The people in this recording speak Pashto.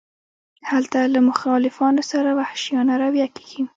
هلته له مخالفانو سره وحشیانه رویه کیږي.